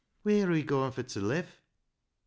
" Wheer are we going fur t' live ?